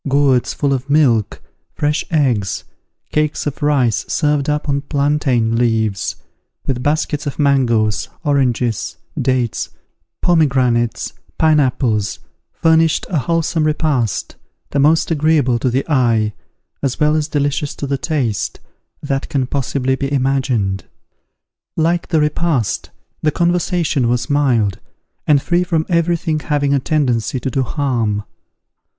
Gourds full of milk, fresh eggs, cakes of rice served up on plantain leaves, with baskets of mangoes, oranges, dates, pomegranates, pineapples, furnished a wholesome repast, the most agreeable to the eye, as well as delicious to the taste, that can possibly be imagined. Like the repast, the conversation was mild, and free from every thing having a tendency to do harm.